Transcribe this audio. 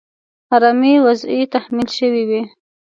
آرامي وضعې تحمیل شوې وه.